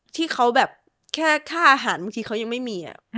ที่เขาแบบแค่ค่าอาหารบางทีเขายังไม่มี